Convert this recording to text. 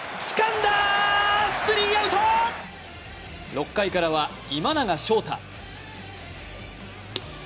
６回からは今永昇太。